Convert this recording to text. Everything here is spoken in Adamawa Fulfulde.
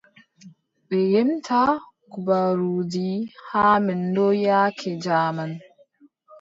Ɓe ƴemta kubaruuji haa men ɗo yaake jaaman.